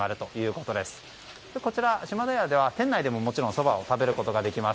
こちら、嶋田家では店内でももちろんそばを食べることができます。